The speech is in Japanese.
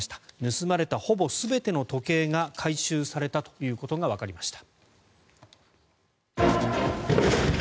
盗まれたほぼ全ての時計が回収されたということがわかりました。